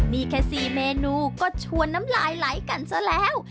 มีแค่๔เมนูก็ชวนน้ำลายไหลกันซะแล้ว